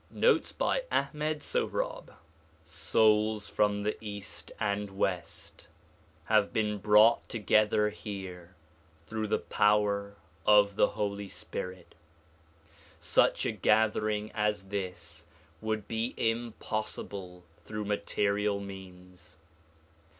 Notes by Ahmed .Sohrab SOULS from the east and west have been brought together here through the power of the Holy Spirit. Such a gathering as this would be impossible through material means.